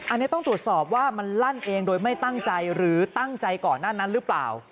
อันนี้ต้องตรวจสอบว่ามันลั่นเองโดยไม่ตั้งใจหรือตั้งใจก่อนหน้านั้นหรือเปล่า